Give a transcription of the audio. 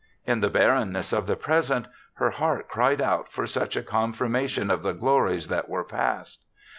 In the barrenness of the present, her heart cried out for such a con firmation of the glories that were past.